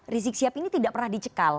rizik sihab ini tidak pernah dicekal